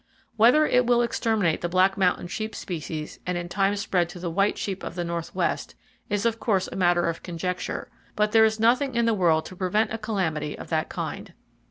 Whether it will exterminate the black mountain sheep species, and in time spread to the white sheep of the northwest, is of course a matter of conjecture; but there is nothing in the world to prevent a calamity of that kind.